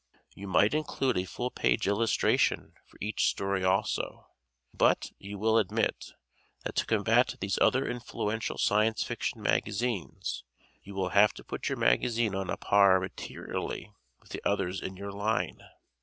You might include a full page Illustration for each story also, but, you will admit, that to combat these other influential Science Fiction magazines, you will have to put your magazine on a par materially with the others in your line.